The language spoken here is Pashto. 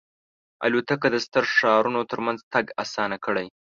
الوتکه د ستر ښارونو ترمنځ تګ آسان کړی.